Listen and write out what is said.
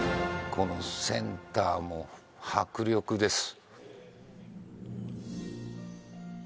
このセンターも迫力です